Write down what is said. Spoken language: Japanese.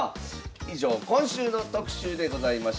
以上今週の特集でございました。